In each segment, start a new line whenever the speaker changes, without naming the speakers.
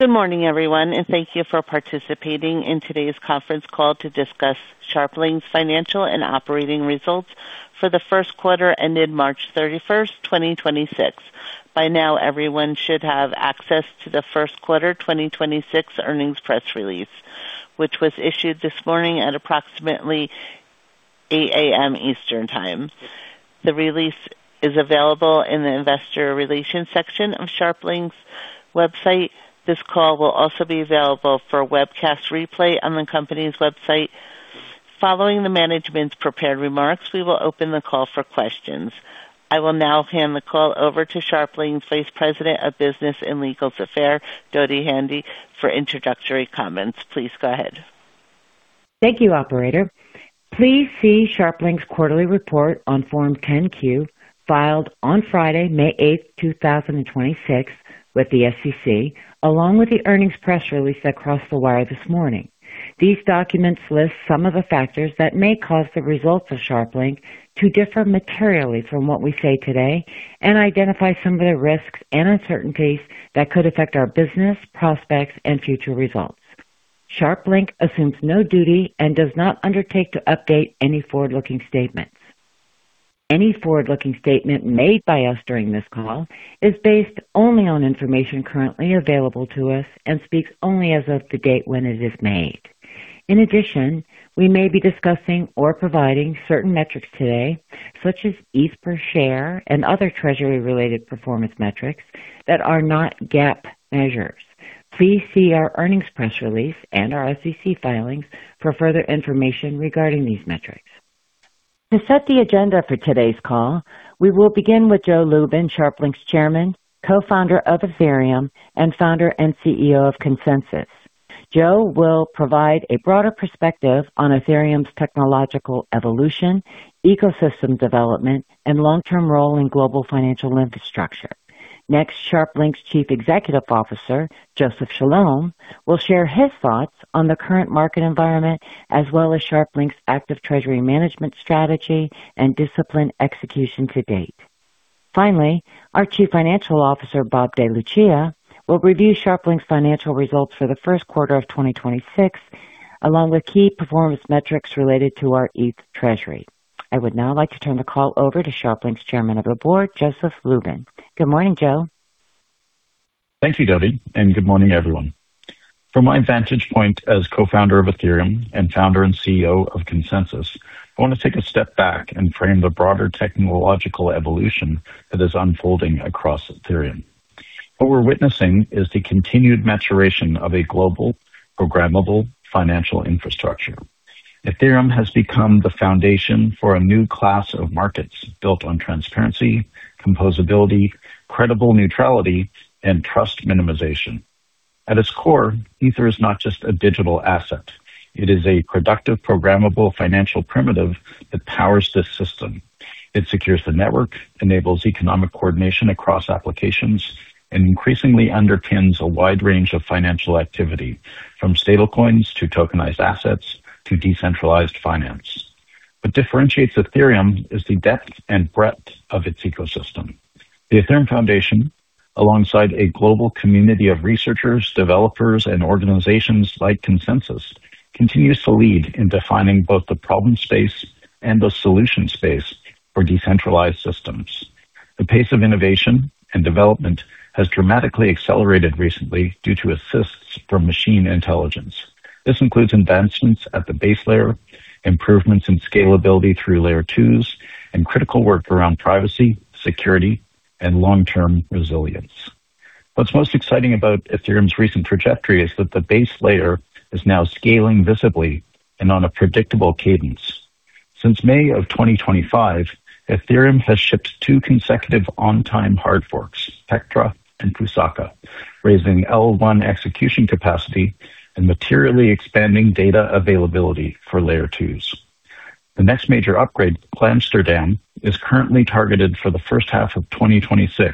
Good morning, everyone, and thank you for participating in today's conference call to discuss Sharplink's financial and operating results for the first quarter ended March 31st, 2026. By now, everyone should have access to the first quarter 2026 earnings press release, which was issued this morning at approximately 8:00 A.M. Eastern time. The release is available in the Investor Relations section of Sharplink's website. This call will also be available for webcast replay on the company's website. Following the management's prepared remarks, we will open the call for questions. I will now hand the call over to Sharplink's Vice President of Business and Legal Affairs, Dodi Handy, for introductory comments. Please go ahead.
Thank you, operator. Please see Sharplink's quarterly report on Form 10-Q filed on Friday, May 8, 2026 with the SEC, along with the earnings press release that crossed the wire this morning. These documents list some of the factors that may cause the results of Sharplink to differ materially from what we say today and identify some of the risks and uncertainties that could affect our business, prospects, and future results. Sharplink assumes no duty and does not undertake to update any forward-looking statements. Any forward-looking statement made by us during this call is based only on information currently available to us and speaks only as of the date when it is made. In addition, we may be discussing or providing certain metrics today, such as ETH per share and other treasury-related performance metrics that are not GAAP measures. Please see our earnings press release and our SEC filings for further information regarding these metrics. To set the agenda for today's call, we will begin with Joe Lubin, Sharplink's Chairman, Co-founder of Ethereum, and Founder and CEO of Consensys. Joe will provide a broader perspective on Ethereum's technological evolution, ecosystem development, and long-term role in global financial infrastructure. Next, Sharplink's Chief Executive Officer, Joseph Chalom, will share his thoughts on the current market environment as well as Sharplink's active treasury management strategy and disciplined execution to date. Finally, our Chief Financial Officer, Bob DeLucia, will review Sharplink's financial results for the first quarter of 2026, along with key performance metrics related to our ETH treasury. I would now like to turn the call over to Sharplink's Chairman of the Board, Joseph Lubin. Good morning, Joe.
Thank you, Dodi, good morning, everyone. From my vantage point as Co-founder of Ethereum and Founder and CEO of Consensys, I want to take a step back and frame the broader technological evolution that is unfolding across Ethereum. What we're witnessing is the continued maturation of a global programmable financial infrastructure. Ethereum has become the foundation for a new class of markets built on transparency, composability, credible neutrality, and trust minimization. At its core, Ether is not just a digital asset. It is a productive, programmable financial primitive that powers this system. It secures the network, enables economic coordination across applications, and increasingly underpins a wide range of financial activity from stable coins to tokenized assets to decentralized finance. What differentiates Ethereum is the depth and breadth of its ecosystem. The Ethereum Foundation, alongside a global community of researchers, developers, and organizations like Consensys, continues to lead in defining both the problem space and the solution space for decentralized systems. The pace of innovation and development has dramatically accelerated recently due to assists from machine intelligence. This includes advancements at the base layer, improvements in scalability through layer twos, and critical work around privacy, security, and long-term resilience. What's most exciting about Ethereum's recent trajectory is that the base layer is now scaling visibly and on a predictable cadence. Since May of 2025, Ethereum has shipped two consecutive on time hard forks, Pectra and Fusaka, raising L1 execution capacity and materially expanding data availability for Layer 2s. The next major upgrade, Glamsterdam, is currently targeted for the first half of 2026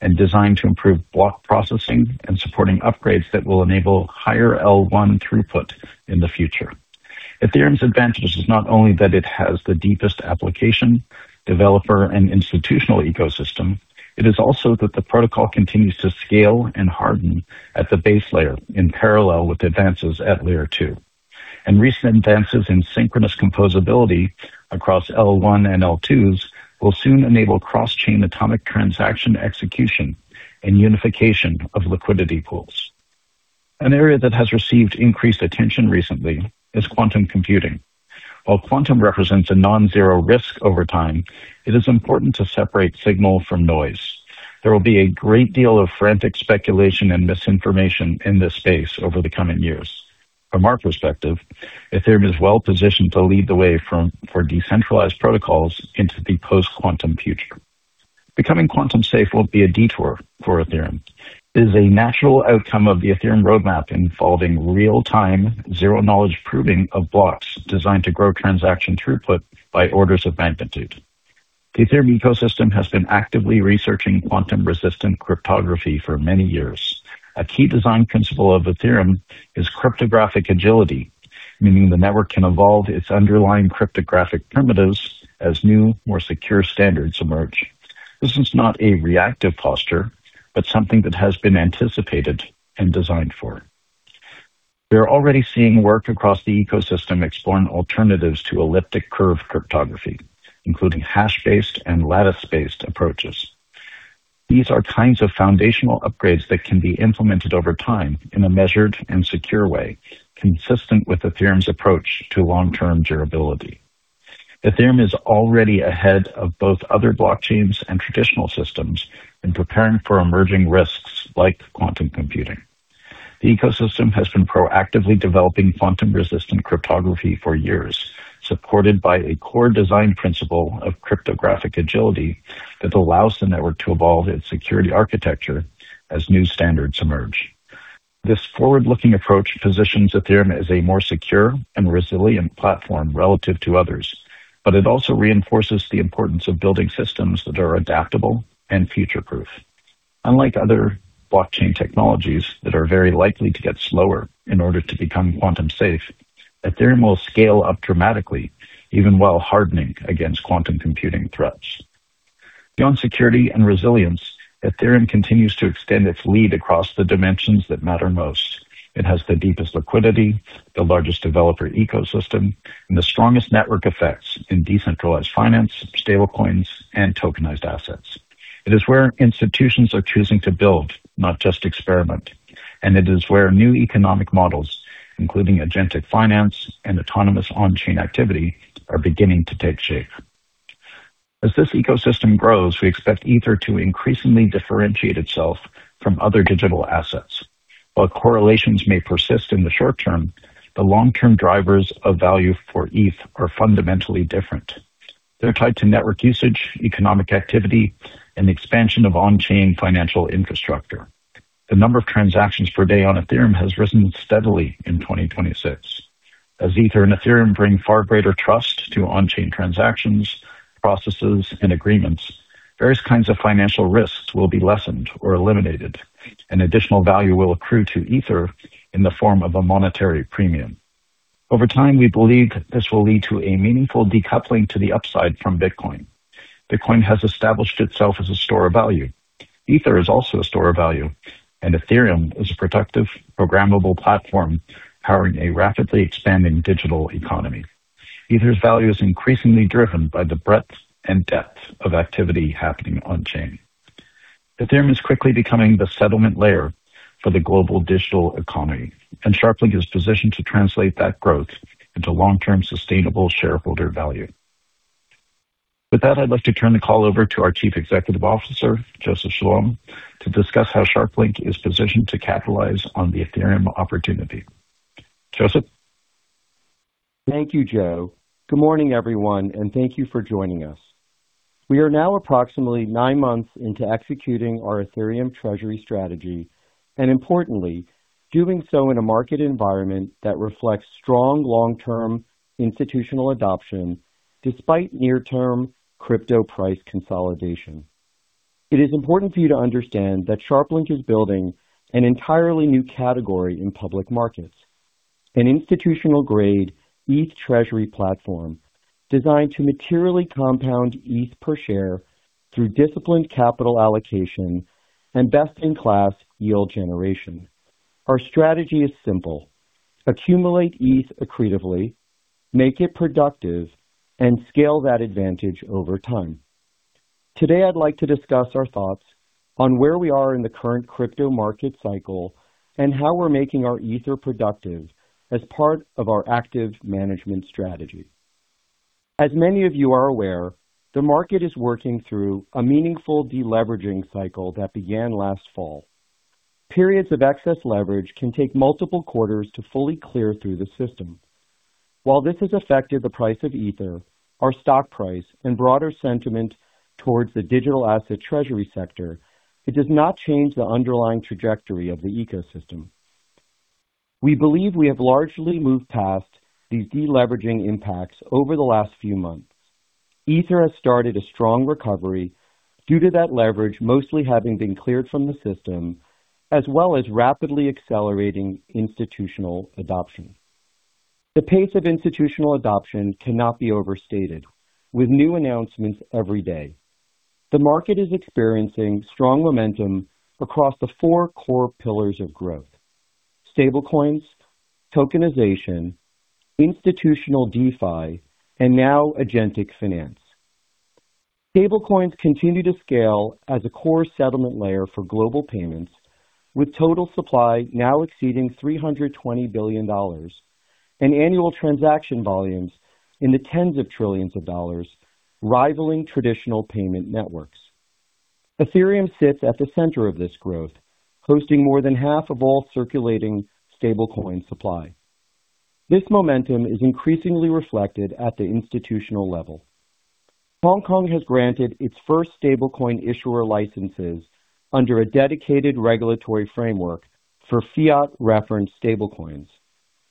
and designed to improve block processing and supporting upgrades that will enable higher L1 throughput in the future. Ethereum's advantage is not only that it has the deepest application, developer, and institutional ecosystem, it is also that the protocol continues to scale and harden at the base layer in parallel with advances at Layer 2. Recent advances in synchronous composability across L1 and L2s will soon enable cross-chain atomic transaction execution and unification of liquidity pools. An area that has received increased attention recently is quantum computing. While quantum represents a non-zero risk over time, it is important to separate signal from noise. There will be a great deal of frantic speculation and misinformation in this space over the coming years. From our perspective, Ethereum is well positioned to lead the way for decentralized protocols into the post-quantum future. Becoming quantum safe won't be a detour for Ethereum. It is a natural outcome of the Ethereum roadmap involving real-time zero-knowledge proving of blocks designed to grow transaction throughput by orders of magnitude. The Ethereum ecosystem has been actively researching quantum-resistant cryptography for many years. A key design principle of Ethereum is cryptographic agility, meaning the network can evolve its underlying cryptographic primitives as new, more secure standards emerge. This is not a reactive posture, but something that has been anticipated and designed for. We are already seeing work across the ecosystem exploring alternatives to elliptic curve cryptography, including hash-based and lattice-based approaches. These are kinds of foundational upgrades that can be implemented over time in a measured and secure way, consistent with Ethereum's approach to long-term durability. Ethereum is already ahead of both other blockchains and traditional systems in preparing for emerging risks like quantum computing. The ecosystem has been proactively developing quantum-resistant cryptography for years, supported by a core design principle of cryptographic agility that allows the network to evolve its security architecture as new standards emerge. This forward-looking approach positions Ethereum as a more secure and resilient platform relative to others, but it also reinforces the importance of building systems that are adaptable and future-proof. Unlike other blockchain technologies that are very likely to get slower in order to become quantum safe, Ethereum will scale up dramatically even while hardening against quantum computing threats. Beyond security and resilience, Ethereum continues to extend its lead across the dimensions that matter most. It has the deepest liquidity, the largest developer ecosystem, and the strongest network effects in decentralized finance, stablecoins, and tokenized assets. It is where institutions are choosing to build, not just experiment. It is where new economic models, including agentic finance and autonomous on-chain activity, are beginning to take shape. As this ecosystem grows, we expect Ether to increasingly differentiate itself from other digital assets. While correlations may persist in the short term, the long-term drivers of value for ETH are fundamentally different. They're tied to network usage, economic activity, and the expansion of on-chain financial infrastructure. The number of transactions per day on Ethereum has risen steadily in 2026. As Ether and Ethereum bring far greater trust to on-chain transactions, processes, and agreements, various kinds of financial risks will be lessened or eliminated, and additional value will accrue to Ether in the form of a monetary premium. Over time, we believe this will lead to a meaningful decoupling to the upside from Bitcoin. Bitcoin has established itself as a store of value. Ether is also a store of value, and Ethereum is a productive programmable platform powering a rapidly expanding digital economy. Ether's value is increasingly driven by the breadth and depth of activity happening on-chain. Ethereum is quickly becoming the settlement layer for the global digital economy, and Sharplink is positioned to translate that growth into long-term sustainable shareholder value. With that, I'd like to turn the call over to our Chief Executive Officer, Joseph Chalom, to discuss how Sharplink is positioned to capitalize on the Ethereum opportunity. Joseph.
Thank you, Joe. Good morning, everyone, and thank you for joining us. We are now approximately nine months into executing our Ethereum treasury strategy and importantly, doing so in a market environment that reflects strong long-term institutional adoption despite near-term crypto price consolidation. It is important for you to understand that Sharplink is building an entirely new category in public markets, an institutional-grade ETH treasury platform designed to materially compound ETH per share through disciplined capital allocation and best-in-class yield generation. Our strategy is simple: accumulate ETH accretively, make it productive, and scale that advantage over time. Today, I'd like to discuss our thoughts on where we are in the current crypto market cycle and how we're making our Ether productive as part of our active management strategy. As many of you are aware, the market is working through a meaningful de-leveraging cycle that began last fall. Periods of excess leverage can take multiple quarters to fully clear through the system. While this has affected the price of Ether, our stock price, and broader sentiment towards the digital asset treasury sector, it does not change the underlying trajectory of the ecosystem. We believe we have largely moved past these de-leveraging impacts over the last few months. Ether has started a strong recovery due to that leverage mostly having been cleared from the system, as well as rapidly accelerating institutional adoption. The pace of institutional adoption cannot be overstated. With new announcements every day, the market is experiencing strong momentum across the four core pillars of growth: stablecoins, tokenization, institutional DeFi, and now agentic finance. Stable coins continue to scale as a core settlement layer for global payments, with total supply now exceeding $320 billion and annual transaction volumes in the tens of trillions of dollars rivaling traditional payment networks. Ethereum sits at the center of this growth, hosting more than half of all circulating stable coin supply. This momentum is increasingly reflected at the institutional level. Hong Kong has granted its first stable coin issuer licenses under a dedicated regulatory framework for fiat-referenced stable coins.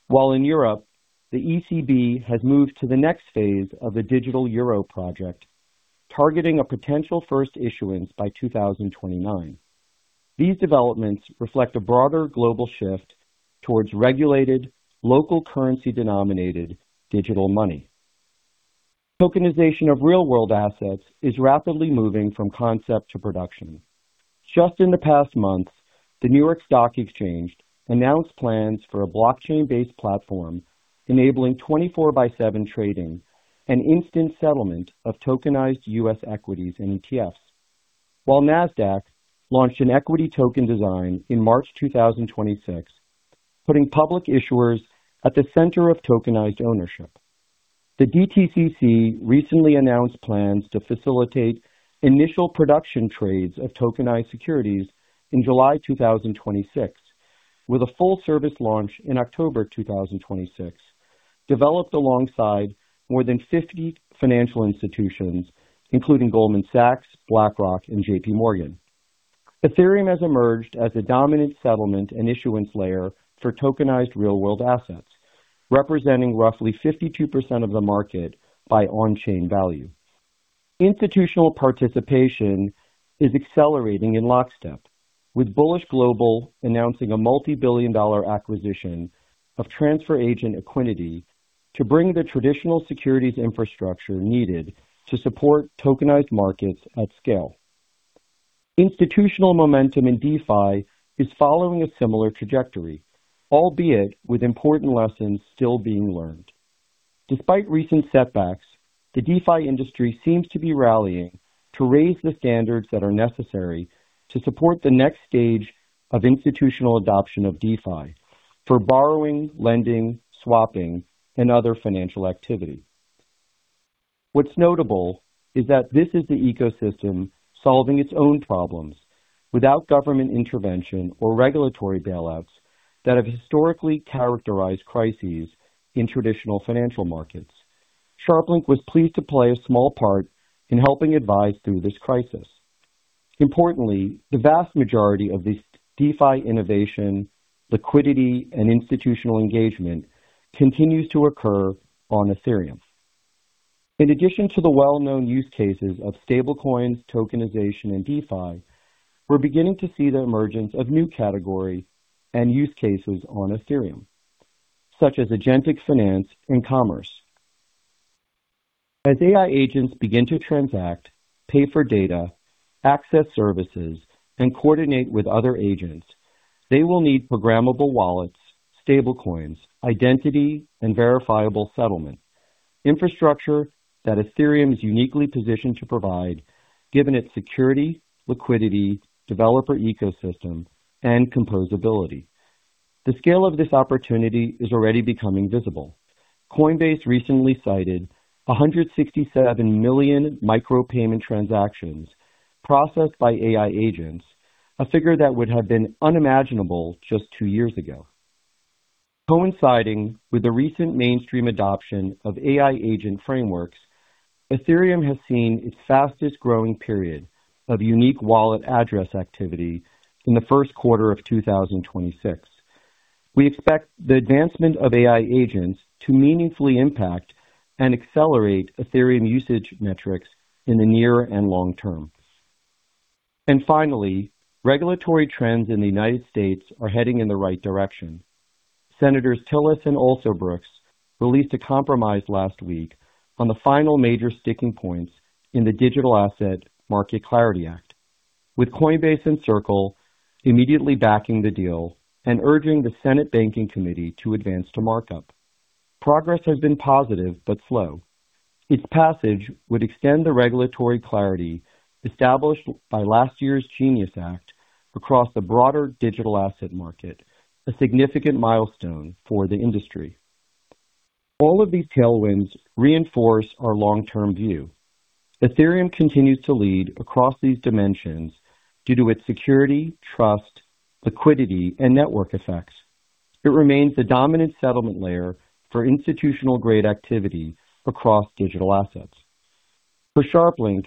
While in Europe, the ECB has moved to the next phase of the Digital Euro project, targeting a potential first issuance by 2029. These developments reflect a broader global shift towards regulated local currency denominated digital money. Tokenization of real-world assets is rapidly moving from concept to production. Just in the past month, the New York Stock Exchange announced plans for a blockchain-based platform enabling 24/7 trading and instant settlement of tokenized U.S. equities and ETFs. Nasdaq launched an equity token design in March 2026, putting public issuers at the center of tokenized ownership. The DTCC recently announced plans to facilitate initial production trades of tokenized securities in July 2026, with a full service launch in October 2026, developed alongside more than 50 financial institutions, including Goldman Sachs, BlackRock, and JPMorgan. Ethereum has emerged as a dominant settlement and issuance layer for tokenized real-world assets, representing roughly 52% of the market by on-chain value. Institutional participation is accelerating in lockstep, with Bullish Global announcing a multi-billion dollar acquisition of transfer agent Equiniti to bring the traditional securities infrastructure needed to support tokenized markets at scale. Institutional momentum in DeFi is following a similar trajectory, albeit with important lessons still being learned. Despite recent setbacks, the DeFi industry seems to be rallying to raise the standards that are necessary to support the next stage of institutional adoption of DeFi for borrowing, lending, swapping, and other financial activity. What's notable is that this is the ecosystem solving its own problems without government intervention or regulatory bailouts that have historically characterized crises in traditional financial markets. Sharplink was pleased to play a small part in helping advise through this crisis. Importantly, the vast majority of this DeFi innovation, liquidity, and institutional engagement continues to occur on Ethereum. In addition to the well-known use cases of stablecoins, tokenization, and DeFi, we're beginning to see the emergence of new categories and use cases on Ethereum, such as agentic finance and commerce. As AI agents begin to transact, pay for data, access services, and coordinate with other agents, they will need programmable wallets, stablecoins, identity, and verifiable settlement infrastructure that Ethereum is uniquely positioned to provide given its security, liquidity, developer ecosystem, and composability. The scale of this opportunity is already becoming visible. Coinbase recently cited 167 million micro payment transactions processed by AI agents, a figure that would have been unimaginable just two years ago. With the recent mainstream adoption of AI agent frameworks, Ethereum has seen its fastest-growing period of unique wallet address activity in the first quarter of 2026. We expect the advancement of AI agents to meaningfully impact and accelerate Ethereum usage metrics in the near and long term. Finally, regulatory trends in the U.S. are heading in the right direction. Senators Tillis and Alsobrooks released a compromise last week on the final major sticking points in the Digital Asset Market Clarity Act, with Coinbase and Circle immediately backing the deal and urging the Senate Banking Committee to advance to markup. Progress has been positive but slow. Its passage would extend the regulatory clarity established by last year's GENIUS Act across the broader digital asset market, a significant milestone for the industry. All of these tailwinds reinforce our long-term view. Ethereum continues to lead across these dimensions due to its security, trust, liquidity, and network effects. It remains the dominant settlement layer for institutional-grade activity across digital assets. For Sharplink,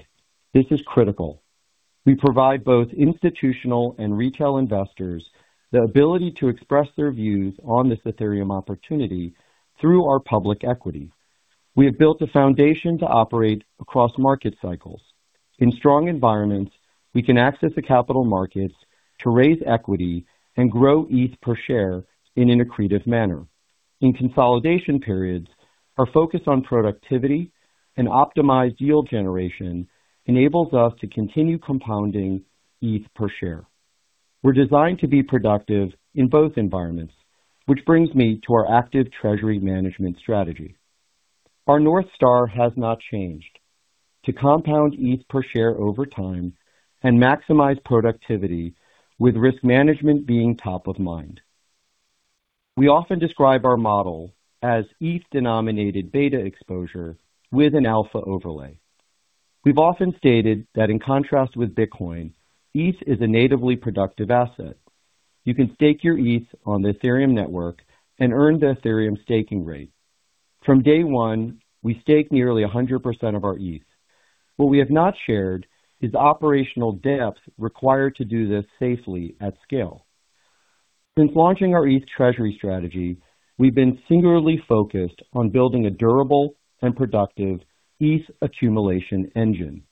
this is critical. We provide both institutional and retail investors the ability to express their views on this Ethereum opportunity through our public equity. We have built a foundation to operate across market cycles. In strong environments, we can access the capital markets to raise equity and grow ETH per share in an accretive manner. In consolidation periods, our focus on productivity and optimized yield generation enables us to continue compounding ETH per share. We're designed to be productive in both environments. Which brings me to our active treasury management strategy. Our North Star has not changed. To compound ETH per share over time and maximize productivity with risk management being top of mind. We often describe our model as ETH-denominated beta exposure with an alpha overlay. We've often stated that in contrast with Bitcoin, ETH is a natively productive asset. You can stake your ETH on the Ethereum network and earn the Ethereum staking rate. From day one, we stake nearly 100% of our ETH. What we have not shared is the operational depth required to do this safely at scale. Since launching our ETH treasury strategy, we've been singularly focused on building a durable and productive ETH accumulation engine.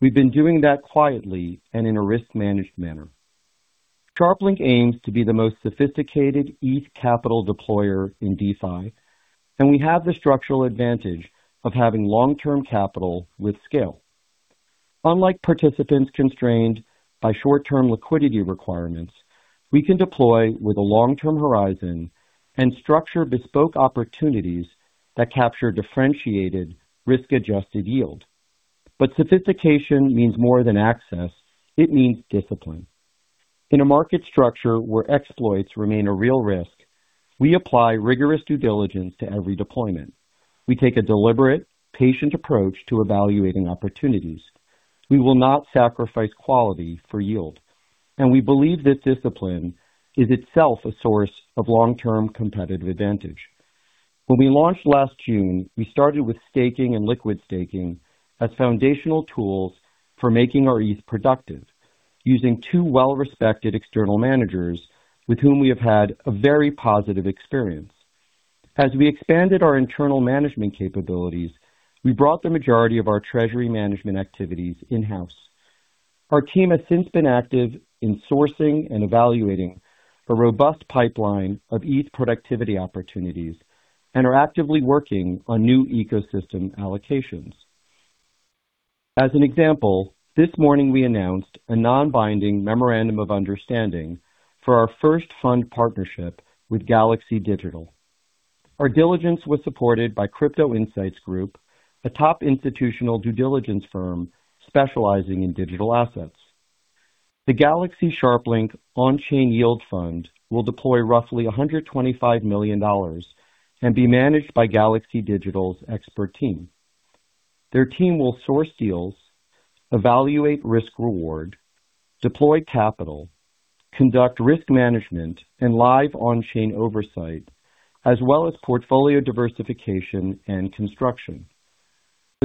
We've been doing that quietly and in a risk-managed manner. Sharplink aims to be the most sophisticated ETH capital deployer in DeFi, and we have the structural advantage of having long-term capital with scale. Unlike participants constrained by short-term liquidity requirements, we can deploy with a long-term horizon and structure bespoke opportunities that capture differentiated risk-adjusted yield. Sophistication means more than access, it means discipline. In a market structure where exploits remain a real risk, we apply rigorous due diligence to every deployment. We take a deliberate, patient approach to evaluating opportunities. We will not sacrifice quality for yield, and we believe this discipline is itself a source of long-term competitive advantage. When we launched last June, we started with staking and liquid staking as foundational tools for making our ETH productive, using two well-respected external managers with whom we have had a very positive experience. As we expanded our internal management capabilities, we brought the majority of our treasury management activities in-house. Our team has since been active in sourcing and evaluating a robust pipeline of ETH productivity opportunities and are actively working on new ecosystem allocations. As an example, this morning we announced a non-binding memorandum of understanding for our first fund partnership with Galaxy Digital. Our diligence was supported by Crypto Insights Group, a top institutional due diligence firm specializing in digital assets. The Galaxy Sharplink Onchain Yield Fund will deploy roughly $125 million and be managed by Galaxy Digital's expert team. Their team will source deals, evaluate risk reward, deploy capital, conduct risk management, and live on-chain oversight, as well as portfolio diversification and construction.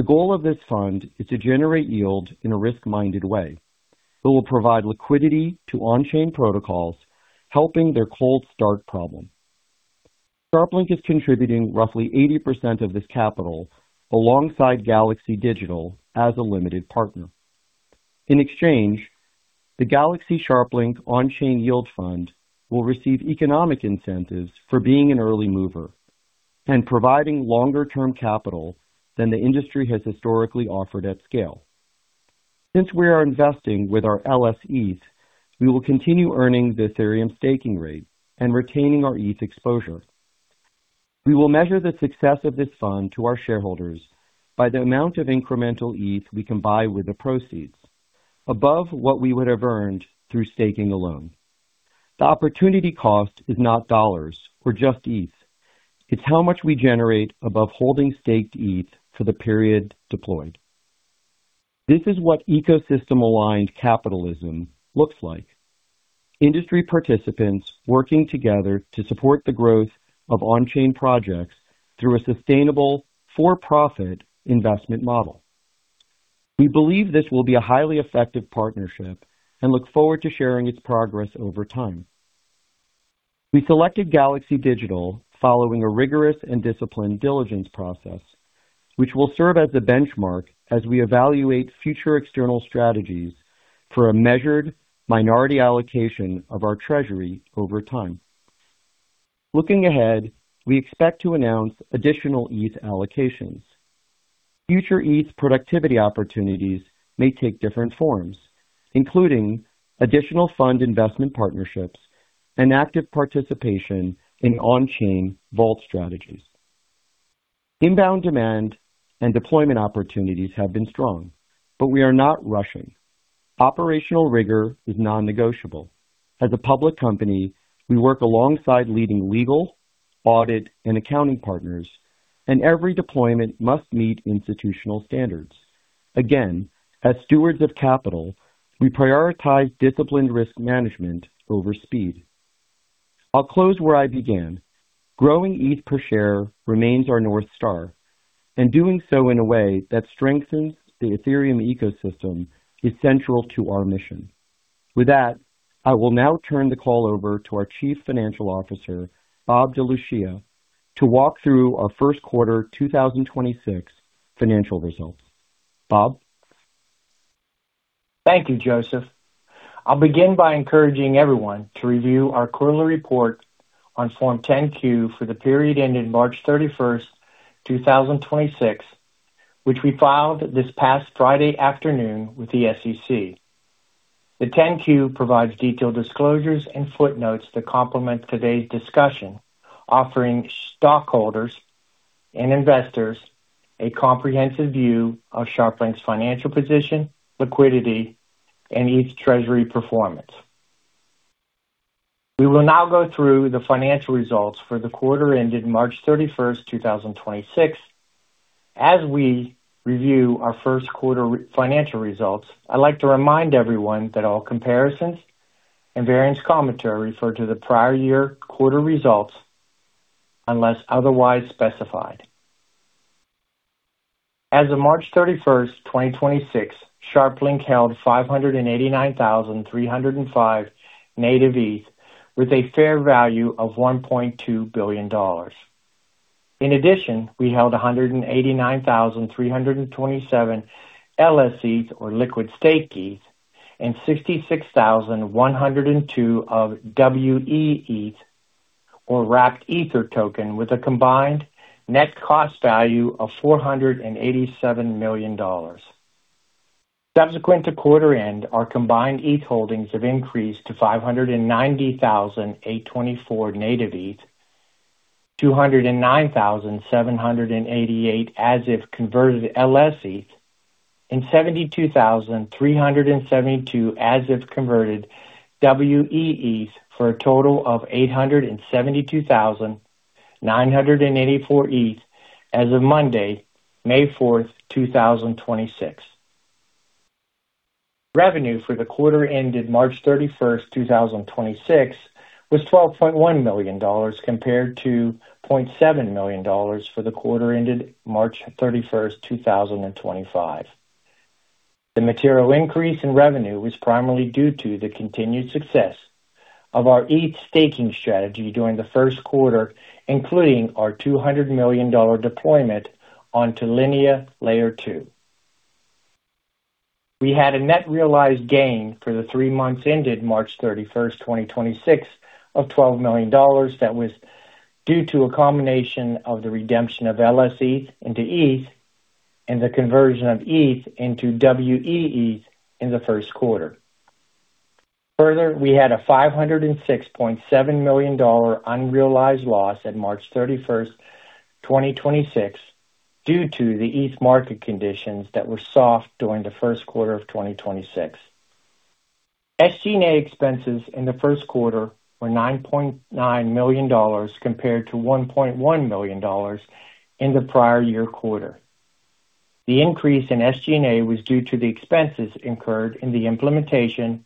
The goal of this fund is to generate yield in a risk-minded way. It will provide liquidity to on-chain protocols, helping their cold start problem. Sharplink is contributing roughly 80% of this capital alongside Galaxy Digital as a limited partner. In exchange, the Galaxy Sharplink Onchain Yield Fund will receive economic incentives for being an early mover and providing longer-term capital than the industry has historically offered at scale. Since we are investing with our LSTs, we will continue earning the Ethereum staking rate and retaining our ETH exposure. We will measure the success of this fund to our shareholders by the amount of incremental ETH we can buy with the proceeds above what we would have earned through staking alone. The opportunity cost is not U.S. dollars or just ETH. It's how much we generate above holding staked ETH for the period deployed. This is what ecosystem-aligned capitalism looks like. Industry participants working together to support the growth of on-chain projects through a sustainable, for-profit investment model. We believe this will be a highly effective partnership and look forward to sharing its progress over time. We selected Galaxy Digital following a rigorous and disciplined diligence process, which will serve as the benchmark as we evaluate future external strategies for a measured minority allocation of our treasury over time. Looking ahead, we expect to announce additional ETH allocations. Future ETH productivity opportunities may take different forms, including additional fund investment partnerships and active participation in on-chain vault strategies. Inbound demand and deployment opportunities have been strong, but we are not rushing. Operational rigor is non-negotiable. As a public company, we work alongside leading legal, audit, and accounting partners, and every deployment must meet institutional standards. Again, as stewards of capital, we prioritize disciplined risk management over speed. I'll close where I began. Growing ETH per share remains our North Star, and doing so in a way that strengthens the Ethereum ecosystem is central to our mission. With that, I will now turn the call over to our Chief Financial Officer, Bob DeLucia, to walk through our first quarter 2026 financial results. Bob?
Thank you, Joseph. I'll begin by encouraging everyone to review our quarterly report on Form 10-Q for the period ending March 31st, 2026, which we filed this past Friday afternoon with the SEC. The 10-Q provides detailed disclosures and footnotes that complement today's discussion, offering stockholders and investors a comprehensive view of Sharplink's financial position, liquidity, and ETH treasury performance. We will now go through the financial results for the quarter ended March 31st, 2026. As we review our first quarter financial results, I'd like to remind everyone that all comparisons and variance commentary refer to the prior year quarter results unless otherwise specified. As of March 31st, 2026, Sharplink held 589,305 native ETH with a fair value of $1.2 billion. In addition, we held 189,327 LsETH, or liquid staked ETH, and 66,102 of weETH, or wrapped Ether token, with a combined net cost value of $487 million. Subsequent to quarter end, our combined ETH holdings have increased to 590,824 native ETH, 209,788 as-if-converted LsETH, and 72,372 as-if-converted weETH, for a total of 872,984 ETH as of Monday, May 4th, 2026. Revenue for the quarter ended March 31st, 2026 was $12.1 million compared to $0.7 million for the quarter ended March 31st, 2025. The material increase in revenue was primarily due to the continued success of our ETH staking strategy during the first quarter, including our $200 million deployment onto Linea Layer 2. We had a net realized gain for the three months ended March 31st, 2026 of $12 million. That was due to a combination of the redemption of LsETH into ETH and the conversion of ETH into weETH in the first quarter. Further, we had a $506.7 million unrealized loss at March 31st, 2026 due to the ETH market conditions that were soft during the first quarter of 2026. SG&A expenses in the first quarter were $9.9 million compared to $1.1 million in the prior year quarter. The increase in SG&A was due to the expenses incurred in the implementation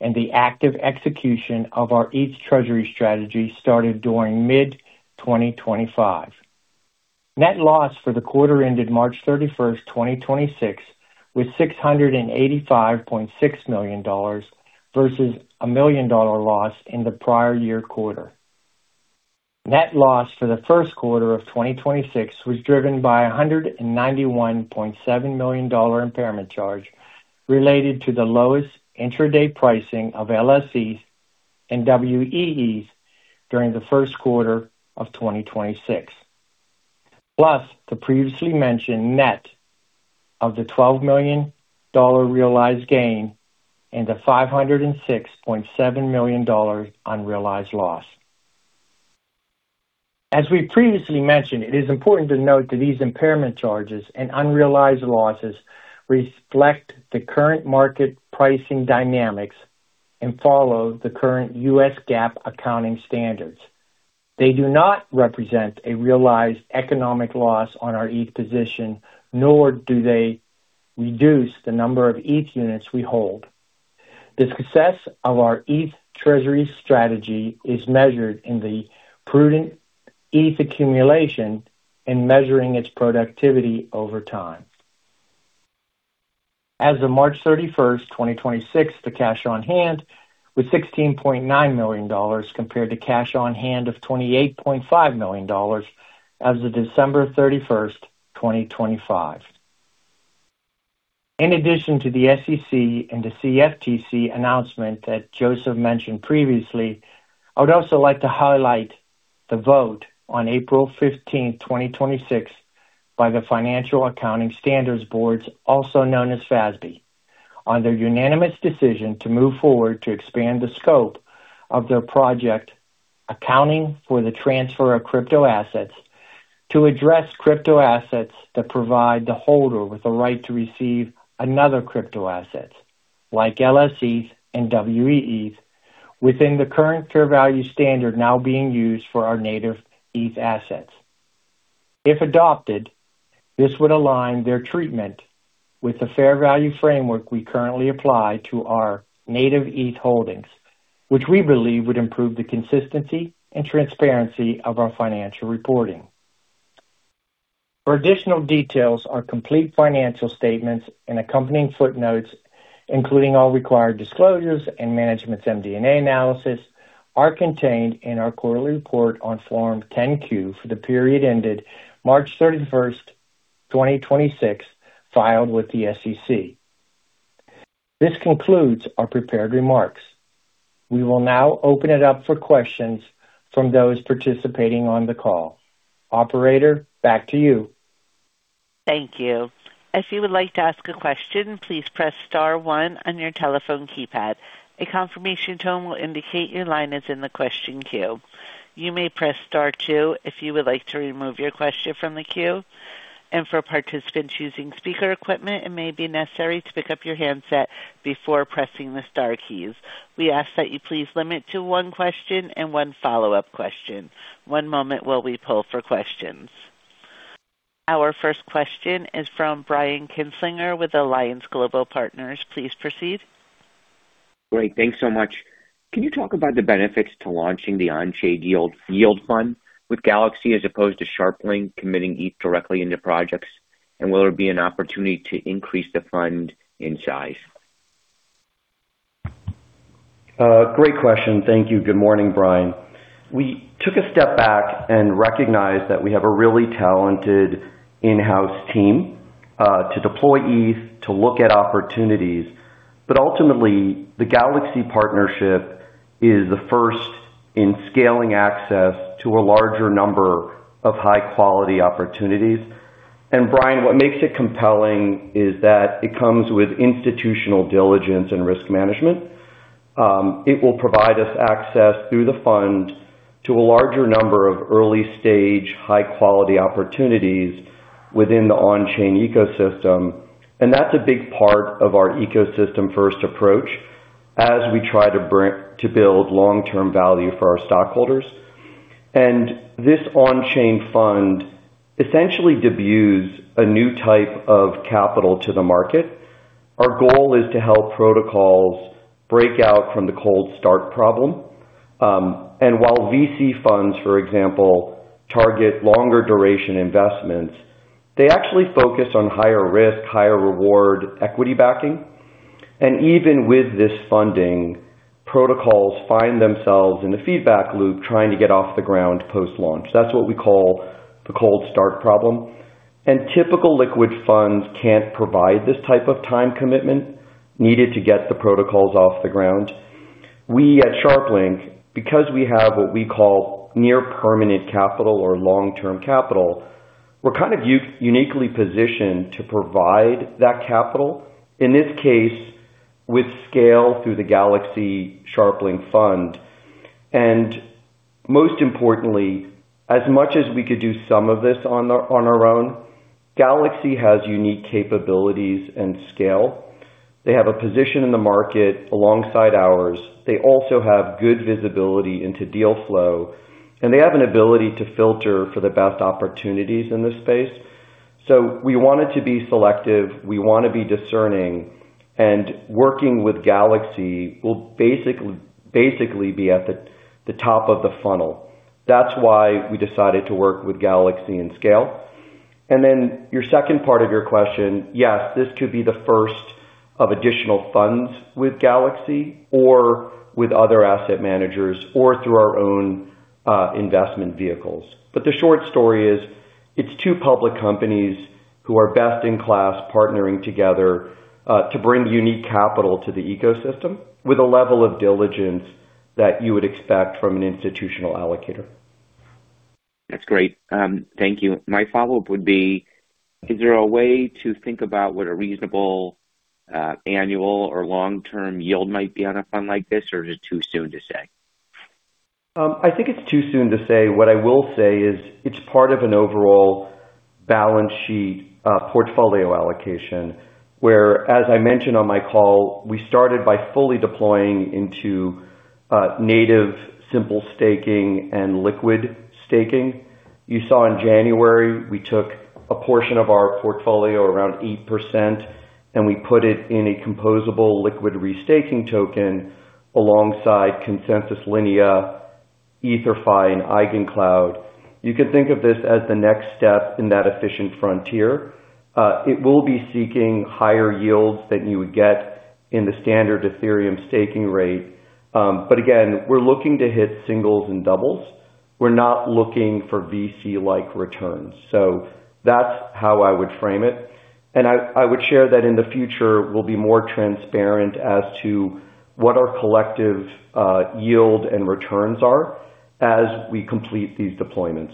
and the active execution of our ETH treasury strategy started during mid 2025. Net loss for the quarter ended March 31st, 2026 was $685.6 million versus a $1 million loss in the prior year quarter. Net loss for the first quarter of 2026 was driven by a $191.7 million impairment charge related to the lowest intraday pricing of LsETH and weETH during the first quarter of 2026, plus the previously mentioned net of the $12 million realized gain and the $506.7 million unrealized loss. As we previously mentioned, it is important to note that these impairment charges and unrealized losses reflect the current market pricing dynamics and follow the current US GAAP accounting standards. They do not represent a realized economic loss on our ETH position, nor do they reduce the number of ETH units we hold. The success of our ETH treasury strategy is measured in the prudent ETH accumulation and measuring its productivity over time. As of March 31st, 2026, the cash on hand was $16.9 million compared to cash on hand of $28.5 million as of December 31st, 2025. In addition to the SEC and the CFTC announcement that Joseph mentioned previously, I would also like to highlight the vote on April 15th, 2026 by the Financial Accounting Standards Board, also known as FASB, on their unanimous decision to move forward to expand the scope of their project, accounting for the transfer of crypto assets to address crypto assets that provide the holder with the right to receive another crypto asset like LsETH and weETH within the current fair value standard now being used for our native ETH assets. If adopted, this would align their treatment with the fair value framework we currently apply to our native ETH holdings, which we believe would improve the consistency and transparency of our financial reporting. For additional details, our complete financial statements and accompanying footnotes, including all required disclosures and management's MD&A analysis, are contained in our quarterly report on Form 10-Q for the period ended March 31st, 2026, filed with the SEC. This concludes our prepared remarks. We will now open it up for questions from those participating on the call. Operator, back to you.
Thank you. If you would like to ask a question, please press star one on your telephone keypad. A confirmation tone will indicate your line is in the question queue. You may press star two if you would like to remove your question from the queue. For participants using speaker equipment, it may be necessary to pick up your handset before pressing the star keys. We ask that you please limit to one question and one follow-up question. One moment while we poll for questions. Our first question is from Brian Kinstlinger with Alliance Global Partners. Please proceed.
Great. Thanks so much. Can you talk about the benefits to launching the Onchain Yield Fund with Galaxy as opposed to Sharplink committing ETH directly into projects? Will there be an opportunity to increase the fund in size?
Great question. Thank you. Good morning, Brian. We took a step back and recognized that we have a really talented in-house team to deploy ETH to look at opportunities. Ultimately, the Galaxy Digital partnership is the first in scaling access to a larger number of high quality opportunities. Brian, what makes it compelling is that it comes with institutional diligence and risk management. It will provide us access through the fund to a larger number of early stage high quality opportunities within the Onchain Ecosystem, that's a big part of our ecosystem first approach as we try to build long-term value for our stockholders. This Onchain Fund essentially debuts a new type of capital to the market. Our goal is to help protocols break out from the cold start problem. While VC funds, for example, target longer duration investments, they actually focus on higher risk, higher reward equity backing. Even with this funding, protocols find themselves in a feedback loop trying to get off the ground post-launch. That's what we call the cold start problem. Typical liquid funds can't provide this type of time commitment needed to get the protocols off the ground. We at Sharplink, because we have what we call near permanent capital or long-term capital, we're kind of uniquely positioned to provide that capital, in this case, with scale through the Galaxy-Sharplink Fund. Most importantly, as much as we could do some of this on our own, Galaxy has unique capabilities and scale. They have a position in the market alongside ours. They also have good visibility into deal flow, and they have an ability to filter for the best opportunities in this space. We wanted to be selective, we want to be discerning, and working with Galaxy will basically be at the top of the funnel. That's why we decided to work with Galaxy and scale. Then your second part of your question, yes, this could be the first of additional funds with Galaxy or with other asset managers or through our own investment vehicles. The short story is, it's two public companies who are best in class partnering together to bring unique capital to the ecosystem with a level of diligence that you would expect from an institutional allocator.
That's great. Thank you. My follow-up would be, is there a way to think about what a reasonable annual or long-term yield might be on a fund like this, or is it too soon to say?
I think it's too soon to say. What I will say is it's part of an overall balance sheet, portfolio allocation, where, as I mentioned on my call, we started by fully deploying into native simple staking and liquid staking. You saw in January, we took a portion of our portfolio around 8%, and we put it in a composable liquid restaking token alongside Consensys Linea, ether.fi, and EigenCloud. You can think of this as the next step in that efficient frontier. It will be seeking higher yields than you would get in the standard Ethereum staking rate. Again, we're looking to hit singles and doubles. We're not looking for VC-like returns. That's how I would frame it. I would share that in the future, we'll be more transparent as to what our collective yield and returns are as we complete these deployments.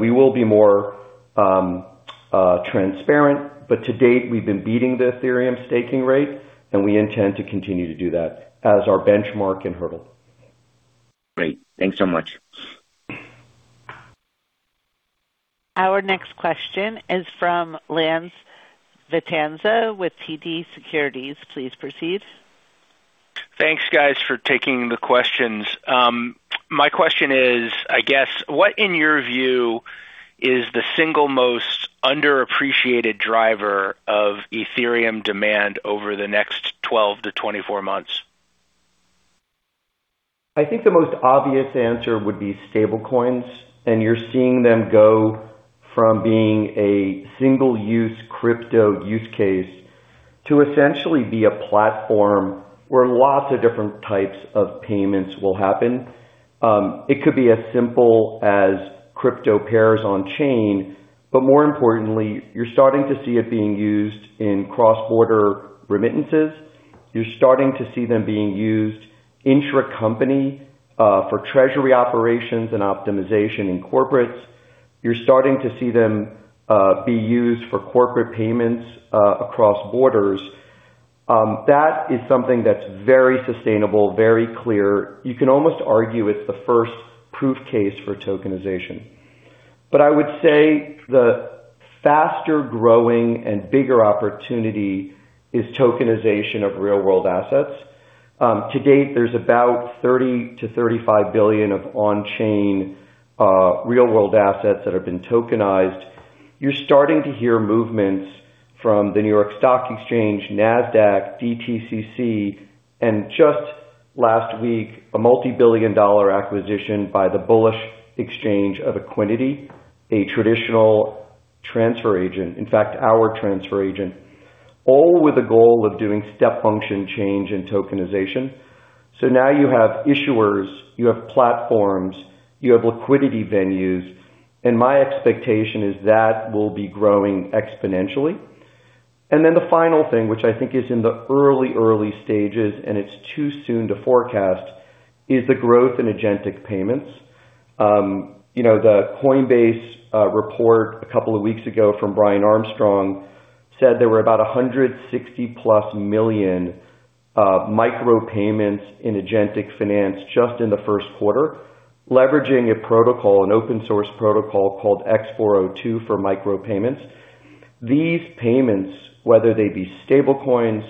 We will be more transparent. To date, we've been beating the Ethereum staking rate, and we intend to continue to do that as our benchmark and hurdle.
Great. Thanks so much.
Our next question is from Lance Vitanza with TD Securities. Please proceed.
Thanks, guys, for taking the questions. My question is, I guess, what in your view is the single most underappreciated driver of Ethereum demand over the next 12 months-24 months?
I think the most obvious answer would be stablecoins, and you're seeing them go from being a single-use crypto use case to essentially be a platform where lots of different types of payments will happen. It could be as simple as crypto pairs on-chain, but more importantly, you're starting to see it being used in cross-border remittances. You're starting to see them being used intra-company for treasury operations and optimization in corporates. You're starting to see them be used for corporate payments across borders. That is something that's very sustainable, very clear. You can almost argue it's the first proof case for tokenization. I would say the faster growing and bigger opportunity is tokenization of real-world assets. To date, there's about $30 billion-$35 billion of on-chain, real-world assets that have been tokenized. You're starting to hear movements from the New York Stock Exchange, Nasdaq, DTCC, and just last week, a multi-billion dollar acquisition by Bullish Exchange of Equiniti, a traditional transfer agent, in fact, our transfer agent, all with the goal of doing step function change in tokenization. Now you have issuers, you have platforms, you have liquidity venues, and my expectation is that will be growing exponentially. Then the final thing, which I think is in the early stages, and it's too soon to forecast, is the growth in agentic payments. You know, the Coinbase report a couple of weeks ago from Brian Armstrong said there were about 160+ million micro payments in agentic finance just in the first quarter, leveraging a protocol, an open source protocol called x402 for micro payments. These payments, whether they be stablecoins,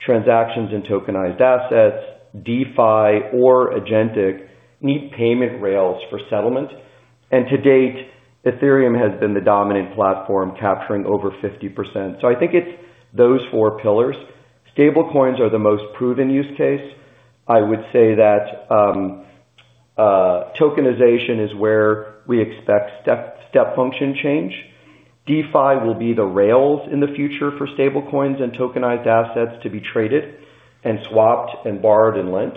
transactions and tokenized assets, DeFi or agentic, need payment rails for settlement. To date, Ethereum has been the dominant platform capturing over 50%. I think it's those four pillars. Stablecoins are the most proven use case. I would say that tokenization is where we expect step function change. DeFi will be the rails in the future for stablecoins and tokenized assets to be traded and swapped and borrowed and lent.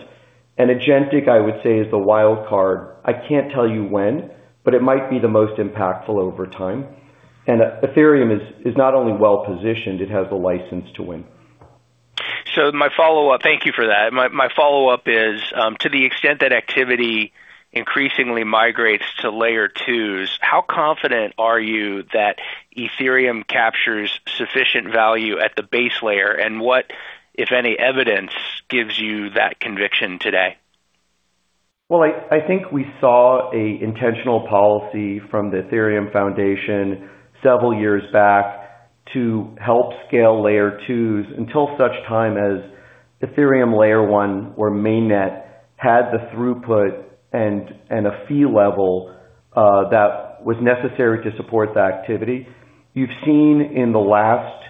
Agentic, I would say, is the wild card. I can't tell you when, but it might be the most impactful over time. Ethereum is not only well-positioned, it has the license to win.
Thank you for that. My follow-up is, to the extent that activity increasingly migrates to Layer 2s, how confident are you that Ethereum captures sufficient value at the base layer? What, if any, evidence gives you that conviction today?
Well, I think we saw a intentional policy from the Ethereum Foundation several years back to help scale Layer 2s until such time as Ethereum Layer 1 or Mainnet had the throughput and a fee level that was necessary to support the activity. You've seen in the last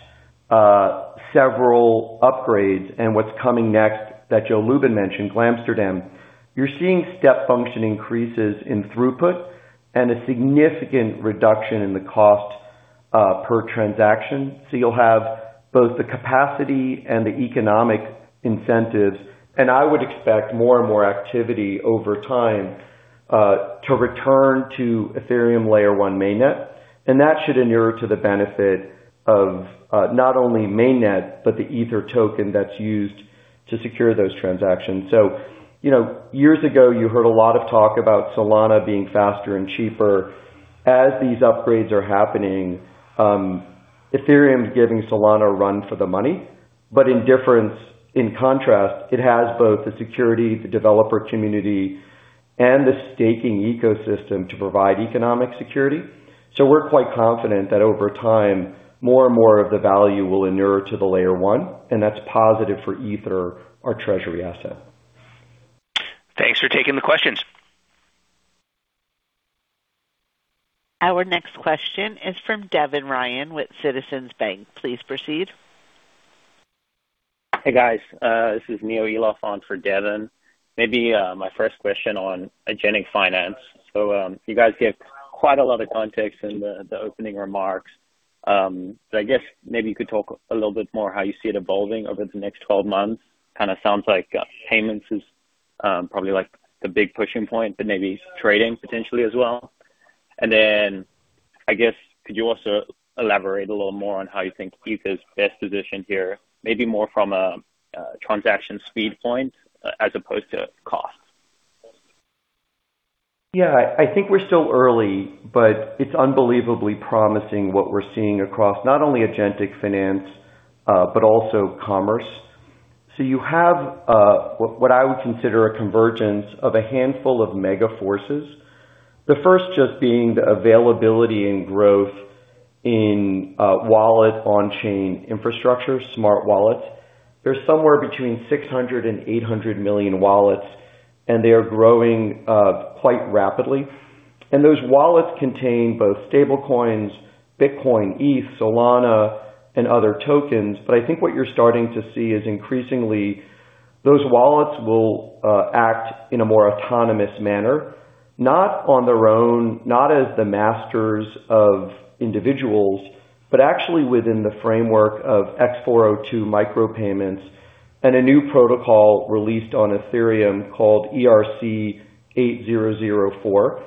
several upgrades and what's coming next that Joe Lubin mentioned, Glamsterdam, you're seeing step function increases in throughput and a significant reduction in the cost per transaction. You'll have both the capacity and the economic incentives, and I would expect more and more activity over time to return to Ethereum Layer 1 Mainnet. That should inure to the benefit of not only Mainnet, but the Ether token that's used to secure those transactions. You know, years ago, you heard a lot of talk about Solana being faster and cheaper. As these upgrades are happening, Ethereum is giving Solana a run for the money. In difference, in contrast, it has both the security, the developer community, and the staking ecosystem to provide economic security. We're quite confident that over time, more and more of the value will inure to the Layer 1, and that's positive for Ether, our treasury asset.
Thanks for taking the questions.
Our next question is from Devin Ryan with Citizens Bank. Please proceed.
Hey, guys. This is Neo Eloff on for Devin. Maybe my first question on agentic finance. You guys gave quite a lot of context in the opening remarks. I guess maybe you could talk a little bit more how you see it evolving over the next 12 months. Kind of sounds like payments is probably like the big pushing point, but maybe trading potentially as well. I guess could you also elaborate a little more on how you think Ether is best positioned here, maybe more from a transaction speed point as opposed to cost?
Yeah. I think we're still early, but it's unbelievably promising what we're seeing across not only agentic finance, but also commerce. You have, what I would consider a convergence of a handful of mega forces. The first just being the availability and growth in wallet on-chain infrastructure, smart wallets. There's somewhere between 600 and 800 million wallets, and they are growing quite rapidly. Those wallets contain both stable coins, Bitcoin, ETH, Solana, and other tokens. I think what you're starting to see is increasingly those wallets will act in a more autonomous manner, not on their own, not as the masters of individuals, but actually within the framework of x402 micro payments and a new protocol released on Ethereum called ERC-8004.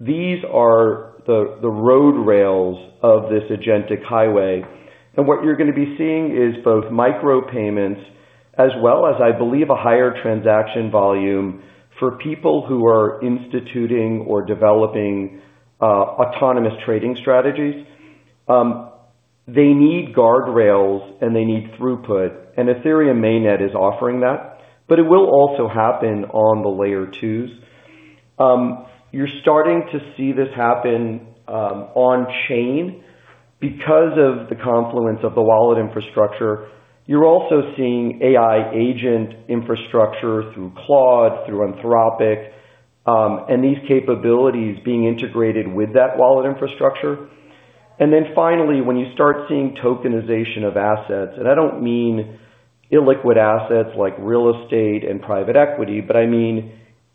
These are the road rails of this agentic highway. What you're gonna be seeing is both micro payments as well as, I believe, a higher transaction volume for people who are instituting or developing autonomous trading strategies. They need guardrails and they need throughput, and Ethereum Mainnet is offering that, but it will also happen on the Layer 2s. You're starting to see this happen on chain because of the confluence of the wallet infrastructure. You're also seeing AI agent infrastructure through Claude, through Anthropic. These capabilities being integrated with that wallet infrastructure. Finally, when you start seeing tokenization of assets, and I don't mean illiquid assets like real estate and private equity, but I mean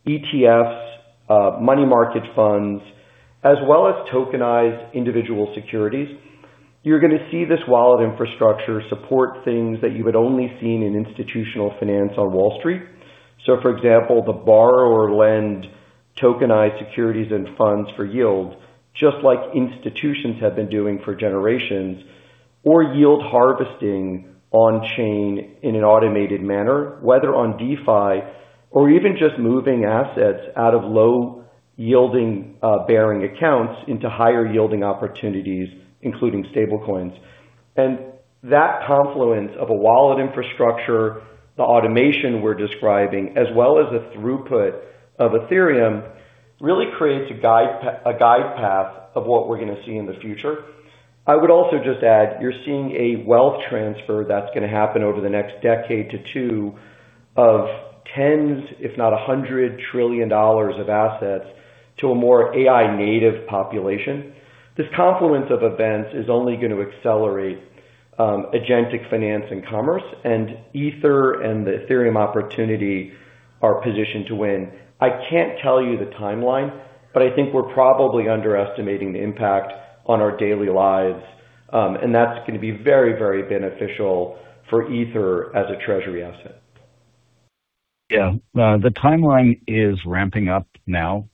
ETFs, money market funds, as well as tokenized individual securities. You're gonna see this wallet infrastructure support things that you had only seen in institutional finance on Wall Street. For example, the borrow or lend tokenized securities and funds for yield, just like institutions have been doing for generations or yield harvesting on chain in an automated manner, whether on DeFi or even just moving assets out of low yielding bearing accounts into higher yielding opportunities, including stablecoins. That confluence of a wallet infrastructure, the automation we're describing, as well as the throughput of Ethereum really creates a guide path of what we're gonna see in the future. I would also just add, you're seeing a wealth transfer that's gonna happen over the next decade to two of tens, if not $100 trillion of assets to a more AI native population. This confluence of events is only gonna accelerate agentic finance and commerce. Ether and the Ethereum opportunity are positioned to win. I can't tell you the timeline, but I think we're probably underestimating the impact on our daily lives. That's gonna be very, very beneficial for Ether as a treasury asset.
Yeah. The timeline is ramping up now.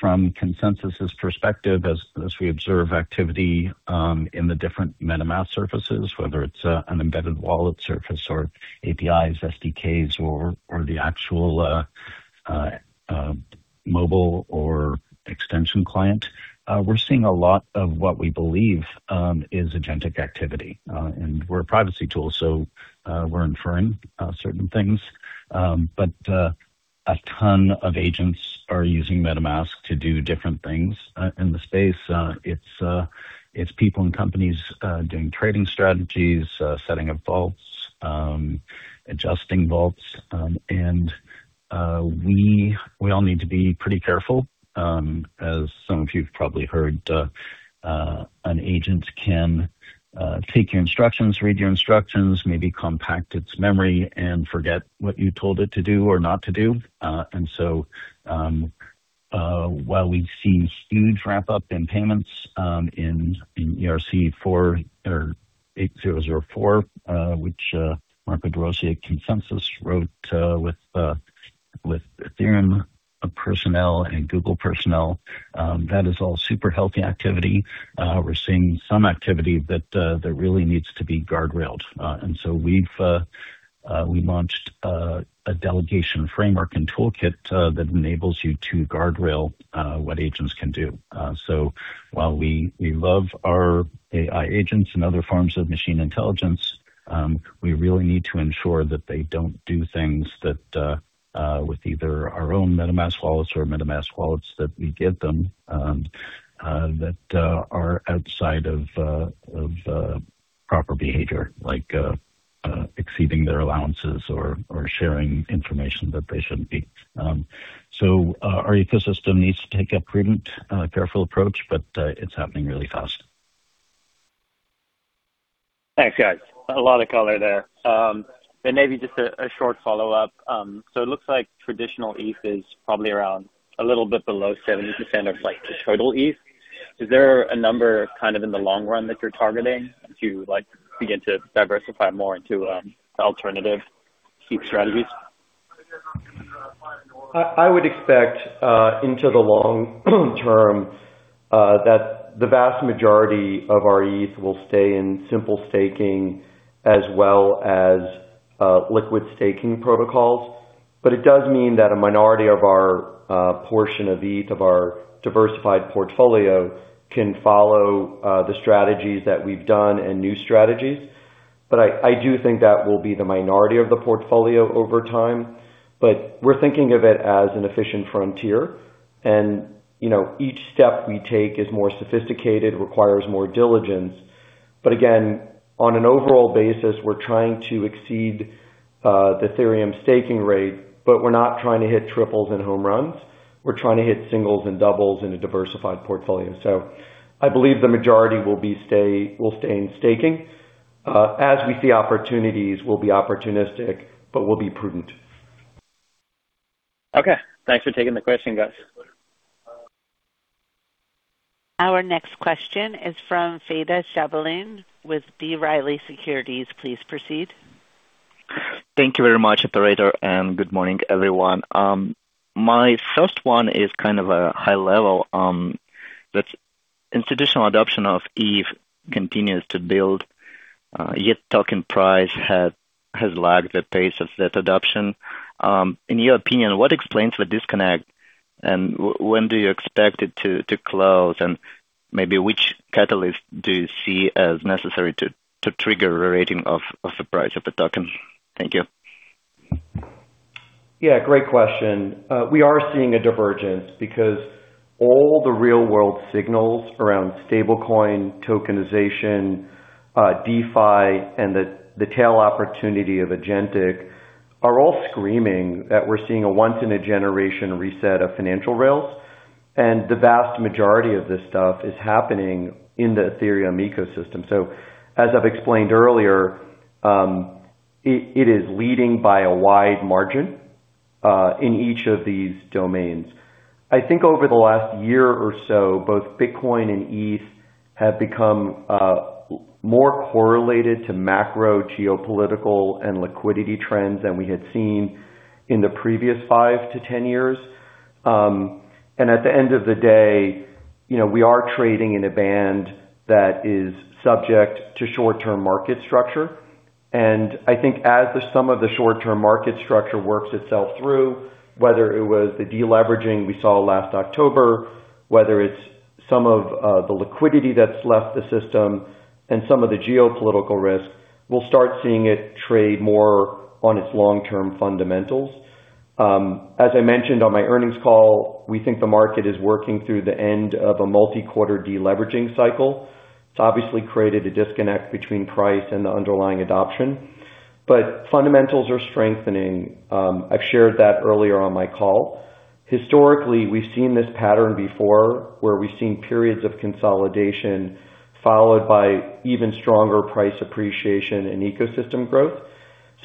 From Consensys's perspective as we observe activity in the different MetaMask surfaces, whether it's an embedded wallet surface or APIs, SDKs or the actual mobile or extension client. We're seeing a lot of what we believe is agentic activity. We're a privacy tool, we're inferring certain things. A ton of agents are using MetaMask to do different things in the space. It's people and companies doing trading strategies, setting up vaults, adjusting vaults. We all need to be pretty careful. As some of you have probably heard, an agent can take your instructions, read your instructions, maybe compact its memory and forget what you told it to do or not to do. While we've seen huge ramp up in payments, in ERC-8004, which Marco De Rossi at Consensys wrote, with Ethereum personnel and Google personnel, that is all super healthy activity. We're seeing some activity that really needs to be guardrailed. We launched a delegation framework and toolkit that enables you to guardrail what agents can do. While we love our AI agents and other forms of machine intelligence, we really need to ensure that they don't do things that with either our own MetaMask wallets or MetaMask wallets that we give them, that are outside of proper behavior like exceeding their allowances or sharing information that they shouldn't be. Our ecosystem needs to take a prudent, careful approach, but it's happening really fast.
Thanks, guys. A lot of color there. Maybe just a short follow-up. It looks like traditional ETH is probably around a little bit below 70% of like the total ETH. Is there a number kind of in the long run that you're targeting as you like begin to diversify more into alternative ETH strategies?
I would expect into the long term that the vast majority of our ETH will stay in simple staking as well as liquid staking protocols. It does mean that a minority of our portion of ETH of our diversified portfolio can follow the strategies that we've done and new strategies. I do think that will be the minority of the portfolio over time. We're thinking of it as an efficient frontier. You know, each step we take is more sophisticated, requires more diligence. Again, on an overall basis, we're trying to exceed the Ethereum staking rate, but we're not trying to hit triples and home runs. We're trying to hit singles and doubles in a diversified portfolio. I believe the majority will stay in staking. As we see opportunities, we'll be opportunistic, but we'll be prudent.
Okay. Thanks for taking the question, guys.
Our next question is from Fedor Shabalin with B. Riley Securities. Please proceed.
Thank you very much, operator, and good morning, everyone. My first one is kind of a high level. That's institutional adoption of ETH continues to build, yet token price has lagged the pace of that adoption. In your opinion, what explains the disconnect, and when do you expect it to close? Maybe which catalyst do you see as necessary to trigger the rating of the price of the token? Thank you.
Yeah, great question. We are seeing a divergence because all the real world signals around stablecoin tokenization, DeFi and the tail opportunity of agentic are all screaming that we're seeing a once-in-a-generation reset of financial rails. The vast majority of this stuff is happening in the Ethereum ecosystem. As I've explained earlier, it is leading by a wide margin in each of these domains. I think over the last year or so, both Bitcoin and ETH have become more correlated to macro geopolitical and liquidity trends than we had seen in the previous five to 10 years. At the end of the day, you know, we are trading in a band that is subject to short-term market structure. I think as some of the short-term market structure works itself through, whether it was the de-leveraging we saw last October, whether it's some of the liquidity that's left the system and some of the geopolitical risk, we'll start seeing it trade more on its long-term fundamentals. As I mentioned on my earnings call, we think the market is working through the end of a multi-quarter de-leveraging cycle. It's obviously created a disconnect between price and the underlying adoption, fundamentals are strengthening. I've shared that earlier on my call. Historically, we've seen this pattern before where we've seen periods of consolidation followed by even stronger price appreciation and ecosystem growth.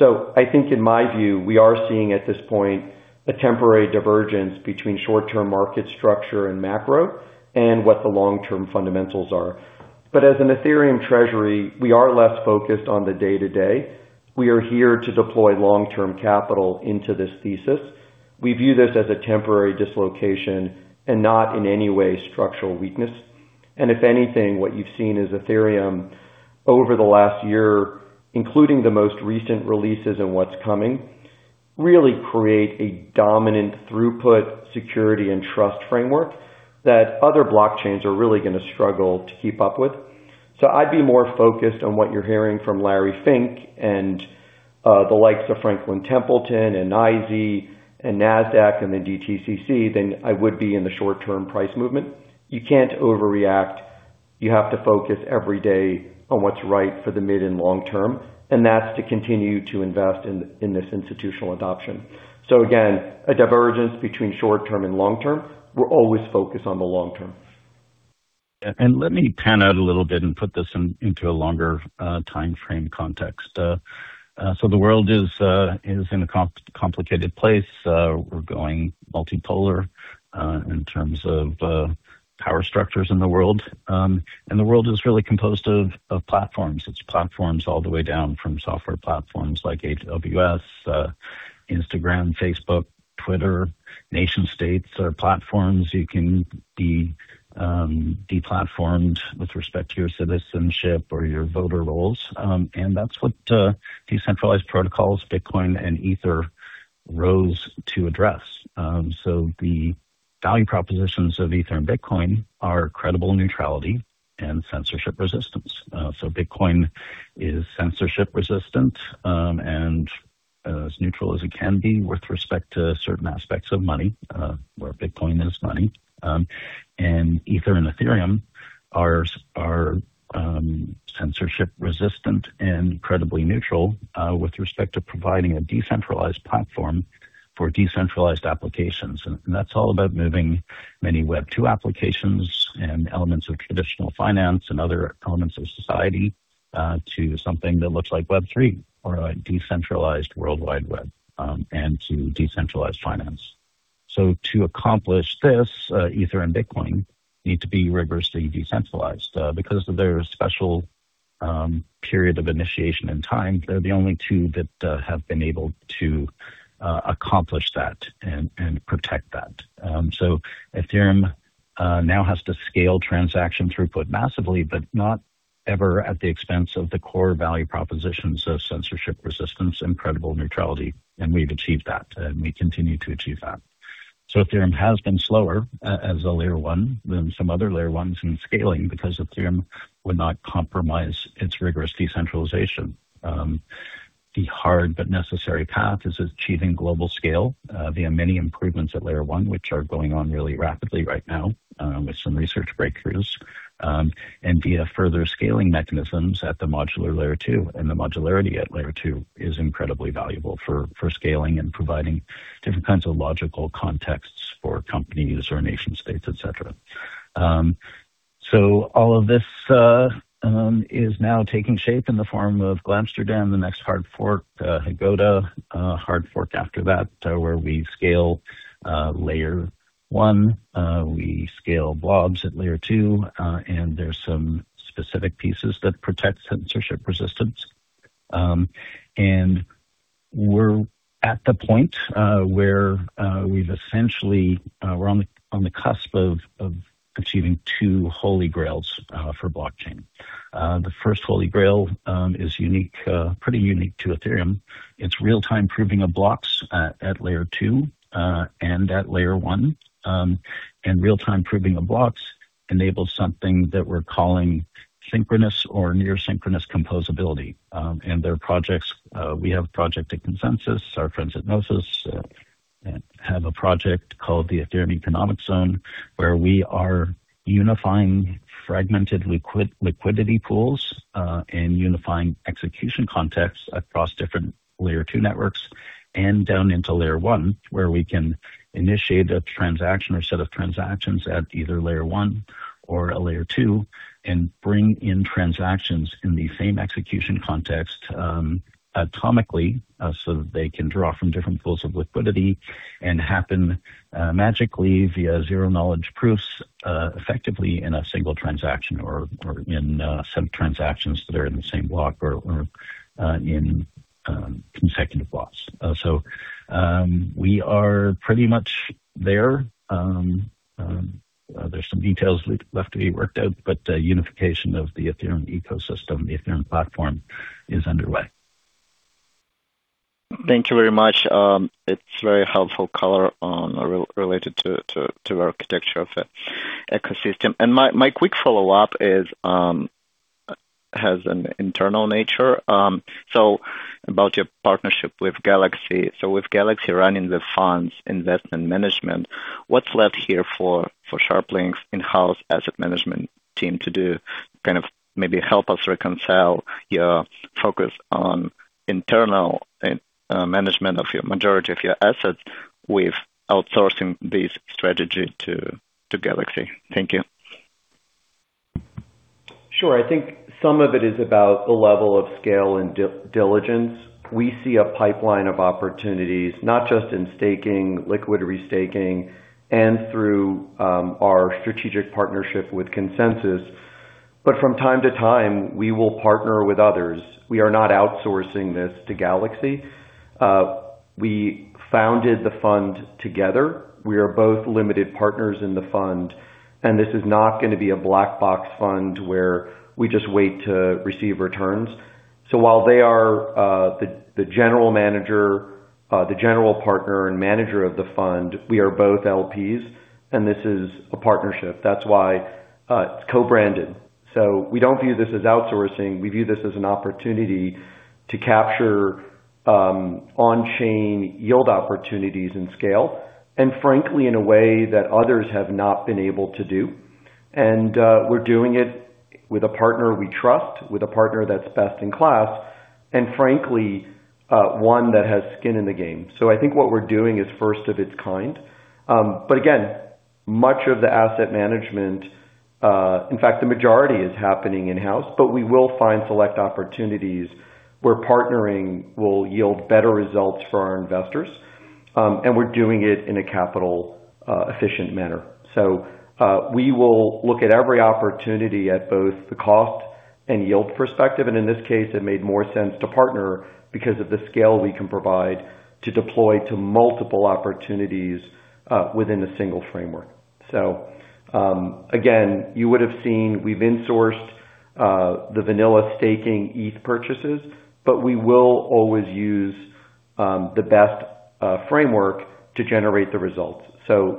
I think in my view, we are seeing at this point a temporary divergence between short-term market structure and macro and what the long-term fundamentals are. As an Ethereum treasury, we are less focused on the day-to-day. We are here to deploy long-term capital into this thesis. We view this as a temporary dislocation and not in any way structural weakness. If anything, what you've seen is Ethereum over the last year, including the most recent releases and what's coming, really create a dominant throughput security and trust framework that other blockchains are really going to struggle to keep up with. I'd be more focused on what you're hearing from Larry Fink and the likes of Franklin Templeton and NYSE and Nasdaq and the DTCC than I would be in the short-term price movement. You can't overreact. You have to focus every day on what's right for the mid and long term, and that's to continue to invest in this institutional adoption. Again, a divergence between short term and long term. We're always focused on the long term.
Let me pan out a little bit and put this in, into a longer time frame context. The world is in a complicated place. We're going multipolar in terms of power structures in the world. The world is really composed of platforms. It's platforms all the way down from software platforms like AWS, Instagram, Facebook, Twitter. Nation states are platforms. You can be deplatformed with respect to your citizenship or your voter rolls. That's what decentralized protocols, Bitcoin and Ether rose to address. The value propositions of Ether and Bitcoin are credible neutrality and censorship resistance. Bitcoin is censorship resistant and as neutral as it can be with respect to certain aspects of money, where Bitcoin is money. Ether and Ethereum are censorship resistant and credibly neutral with respect to providing a decentralized platform for decentralized applications. That's all about moving many Web2 applications and elements of traditional finance and other elements of society to something that looks like Web3 or a decentralized worldwide web and to decentralized finance. To accomplish this, Ether and Bitcoin need to be rigorously decentralized. Because of their special period of initiation and time, they're the only two that have been able to accomplish that and protect that. Ethereum now has to scale transaction throughput massively, but not ever at the expense of the core value propositions of censorship resistance and credible neutrality. We've achieved that, and we continue to achieve that. Ethereum has been slower as a Layer 1 than some other layer ones in scaling because Ethereum would not compromise its rigorous decentralization. The hard but necessary path is achieving global scale via many improvements at Layer 1, which are going on really rapidly right now, with some research breakthroughs, and via further scaling mechanisms at the modular Layer 2. The modularity at Layer 2 is incredibly valuable for scaling and providing different kinds of logical contexts for companies or nation states, et cetera. All of this is now taking shape in the form of Glamsterdam, the next hard fork, Hegota, hard fork after that, where we scale Layer 1, we scale blobs at Layer 2, and there's some specific pieces that protect censorship resistance. We're at the point where we've essentially we're on the cusp of achieving two holy grails for blockchain. The first holy grail is unique, pretty unique to Ethereum. It's real-time proving of blocks at Layer 2 and at Layer 1. Real-time proving of blocks enables something that we're calling synchronous or near synchronous composability. There are projects. We have Project Consensys, our friends at Gnosis have a project called the Ethereum Economic Zone, where we are unifying fragmented liquidity pools, and unifying execution context across different Layer 2 networks and down into Layer 1, where we can initiate a transaction or set of transactions at either Layer 1 or a Layer 2 and bring in transactions in the same execution context atomically, so that they can draw from different pools of liquidity and happen magically via zero-knowledge proofs effectively in a single transaction or in some transactions that are in the same block or in consecutive blocks. We are pretty much there. There's some details left to be worked out, but the unification of the Ethereum ecosystem, the Ethereum platform is underway.
Thank you very much. It's very helpful color related to architecture of ecosystem. My quick follow-up is, has an internal nature. About your partnership with Galaxy. With Galaxy running the funds investment management, what's left here for Sharplink in-house asset management team to do? Kind of maybe help us reconcile your focus on internal management of your majority of your assets with outsourcing this strategy to Galaxy. Thank you.
Sure. I think some of it is about the level of scale and diligence. We see a pipeline of opportunities, not just in staking, liquidity staking, and through our strategic partnership with Consensys. From time to time, we will partner with others. We are not outsourcing this to Galaxy. We founded the fund together. We are both limited partners in the fund, this is not gonna be a black box fund where we just wait to receive returns. While they are the general manager, the general partner and manager of the fund, we are both LPs, this is a partnership. That's why it's co-branded. We don't view this as outsourcing. We view this as an opportunity to capture on-chain yield opportunities and scale, frankly, in a way that others have not been able to do. We're doing it with a partner we trust, with a partner that's best in class, and frankly, one that has skin in the game. I think what we're doing is first of its kind. But again, much of the asset management, in fact, the majority is happening in-house, but we will find select opportunities where partnering will yield better results for our investors. And we're doing it in a capital efficient manner. We will look at every opportunity at both the cost and yield perspective, and in this case, it made more sense to partner because of the scale we can provide to deploy to multiple opportunities within a single framework. Again, you would have seen we've insourced the vanilla staking ETH purchases, but we will always use the best framework to generate the results.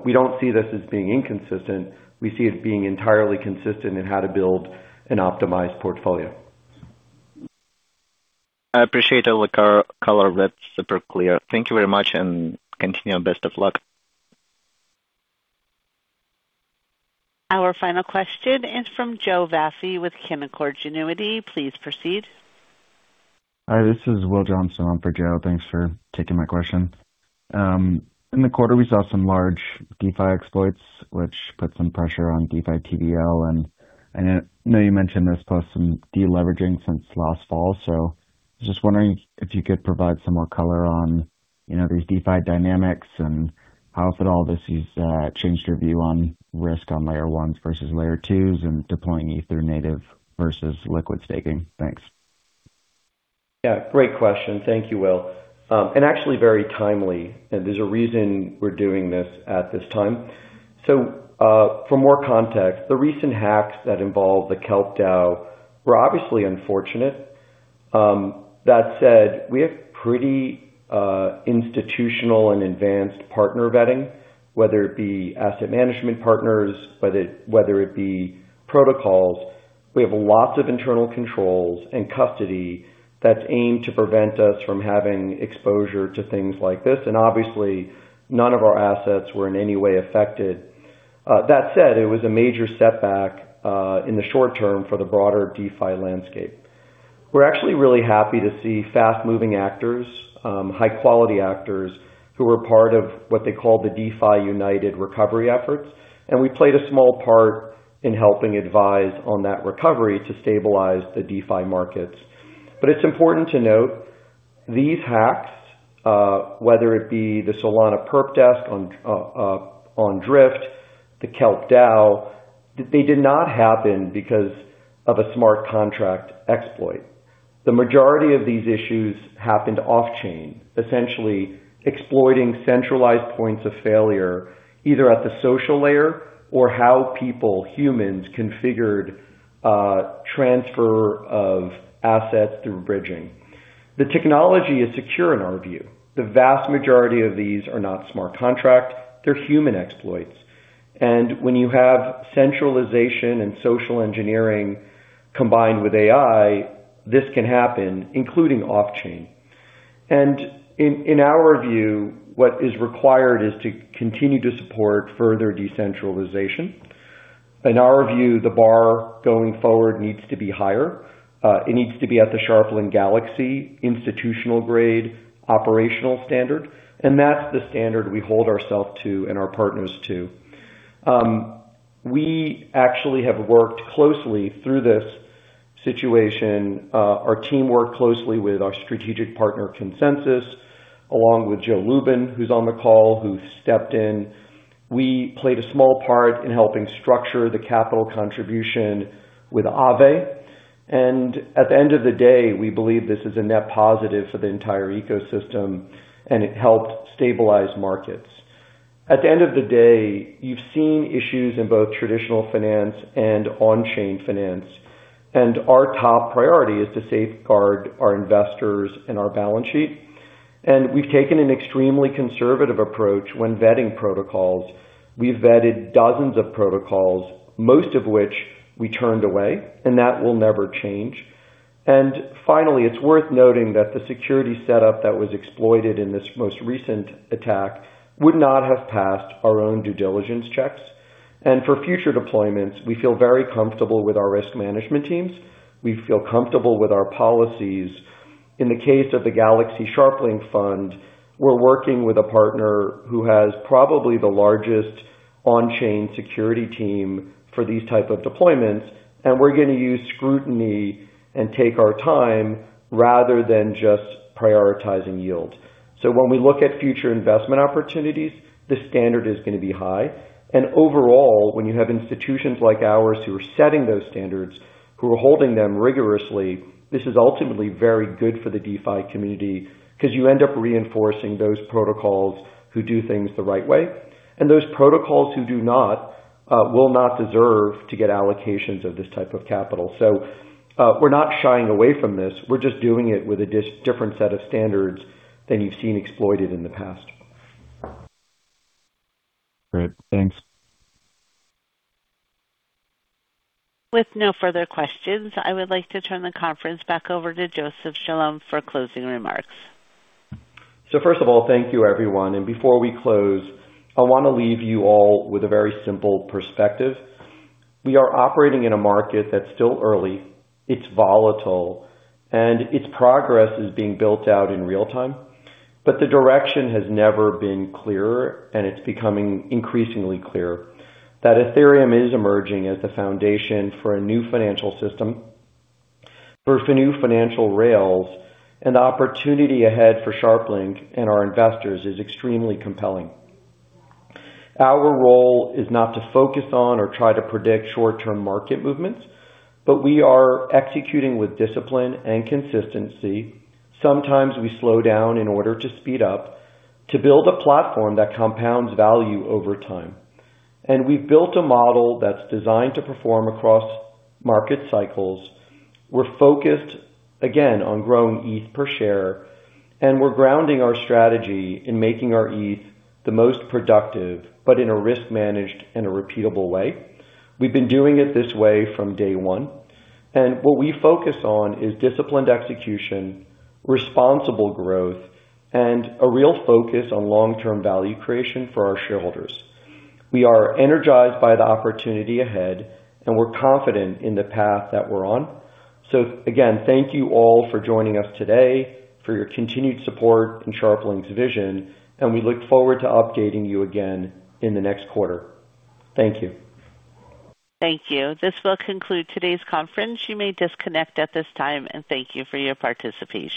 We don't see this as being inconsistent. We see it being entirely consistent in how to build an optimized portfolio.
I appreciate all the color. That's super clear. Thank you very much. Continue. Best of luck.
Our final question is from Joe Vafi with Canaccord Genuity. Please proceed.
Hi, this is Will Johnston for Joe. Thanks for taking my question. In the quarter, we saw some large DeFi exploits which put some pressure on DeFi TVL. I know you mentioned this plus some de-leveraging since last fall. Just wondering if you could provide some more color on, you know, these DeFi dynamics and how, if at all, this has changed your view on risk on layer ones versus layer twos and deploying ETH native versus liquid staking. Thanks.
Yeah, great question. Thank you Will. Actually very timely, and there's a reason we're doing this at this time. For more context, the recent hacks that involved the Kelp DAO were obviously unfortunate. That said, we have pretty institutional and advanced partner vetting, whether it be asset management partners, whether it be protocols. We have lots of internal controls and custody that's aimed to prevent us from having exposure to things like this. Obviously, none of our assets were in any way affected. That said, it was a major setback in the short term for the broader DeFi landscape. We're actually really happy to see fast-moving actors, high-quality actors who are part of what they call the DeFi United recovery efforts. We played a small part in helping advise on that recovery to stabilize the DeFi markets. It's important to note these hacks, whether it be the Solana perp DEX on Drift, the Kelp DAO, they did not happen because of a smart contract exploit. The majority of these issues happened off-chain, essentially exploiting centralized points of failure, either at the social layer or how people, humans configured transfer of assets through bridging. The technology is secure in our view. The vast majority of these are not smart contract, they're human exploits. When you have centralization and social engineering combined with AI, this can happen, including off-chain. In our view, what is required is to continue to support further decentralization. In our view, the bar going forward needs to be higher. It needs to be at the Sharplink Galaxy institutional grade operational standard, and that's the standard we hold ourself to and our partners to. We actually have worked closely through this situation. Our team worked closely with our strategic partner Consensys, along with Joe Lubin, who's on the call, who stepped in. We played a small part in helping structure the capital contribution with Aave. At the end of the day, we believe this is a net positive for the entire ecosystem, and it helped stabilize markets. At the end of the day, you've seen issues in both traditional finance and on-chain finance. Our top priority is to safeguard our investors and our balance sheet. We've taken an extremely conservative approach when vetting protocols. We've vetted dozens of protocols, most of which we turned away, and that will never change. Finally, it's worth noting that the security setup that was exploited in this most recent attack would not have passed our own due diligence checks. For future deployments, we feel very comfortable with our risk management teams. We feel comfortable with our policies. In the case of the Galaxy Sharplink fund, we're working with a partner who has probably the largest on-chain security team for these type of deployments, and we're gonna use scrutiny and take our time rather than just prioritizing yields. When we look at future investment opportunities, the standard is gonna be high. Overall, when you have institutions like ours who are setting those standards, who are holding them rigorously, this is ultimately very good for the DeFi community 'cause you end up reinforcing those protocols who do things the right way. Those protocols who do not, will not deserve to get allocations of this type of capital. We're not shying away from this. We're just doing it with a different set of standards than you've seen exploited in the past.
Great. Thanks.
With no further questions, I would like to turn the conference back over to Joseph Chalom for closing remarks.
First of all, thank you everyone. Before we close, I wanna leave you all with a very simple perspective. We are operating in a market that's still early, it's volatile, and its progress is being built out in real time. The direction has never been clearer, and it's becoming increasingly clear that Ethereum is emerging as the foundation for a new financial system, for new financial rails, and the opportunity ahead for Sharplink and our investors is extremely compelling. Our role is not to focus on or try to predict short-term market movements, but we are executing with discipline and consistency. Sometimes we slow down in order to speed up to build a platform that compounds value over time. We've built a model that's designed to perform across market cycles. We're focused, again, on growing ETH per share, and we're grounding our strategy in making our ETH the most productive but in a risk managed and a repeatable way. We've been doing it this way from day one, and what we focus on is disciplined execution, responsible growth, and a real focus on long-term value creation for our shareholders. We are energized by the opportunity ahead, and we're confident in the path that we're on. Again, thank you all for joining us today, for your continued support in Sharplink's vision, and we look forward to updating you again in the next quarter. Thank you.
Thank you. This will conclude today's conference. You may disconnect at this time. Thank you for your participation.